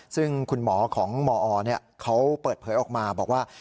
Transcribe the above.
ซึ่งคุณหมอของหมออเขาเปิดเผยออกมาบอกว่า